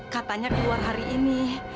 katanya keluar hari ini